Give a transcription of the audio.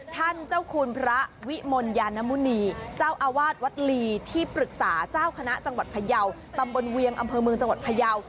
ท่านเจ้าคุณพระวิมลยานมุณีเจ้าอาวาสวัดลีที่ปรึกษาเจ้าคณะจังหวัดพยาวตำบลเวียงอำเภอเมืองจังหวัดพยาว